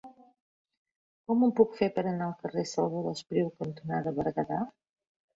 Com ho puc fer per anar al carrer Salvador Espriu cantonada Berguedà?